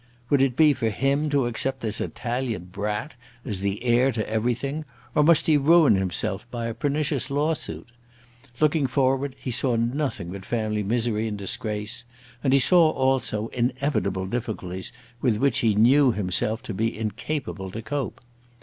Would it be for him to accept this Italian brat as the heir to everything, or must he ruin himself by a pernicious lawsuit? Looking forward he saw nothing but family misery and disgrace, and he saw, also, inevitable difficulties with which he knew himself to be incapable to cope.